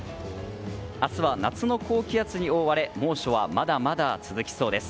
明日は夏の高気圧に覆われ猛暑はまだまだ続きそうです。